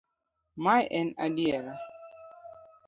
Mae en adiera.